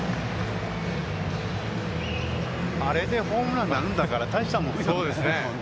あれでホームランになるんだから、大したもんよね、本当ね。